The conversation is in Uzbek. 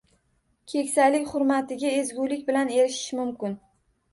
Keksalik hurmatiga ezgulik bilan erishish mumkin.